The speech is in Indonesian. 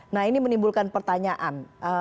nah ini menimbulkan pertanyaan